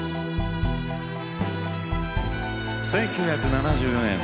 １９７４年